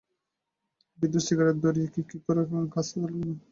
বৃদ্ধ সিগারেট ধরিয়ে খিকখিক করে কাশতে লাগলেন।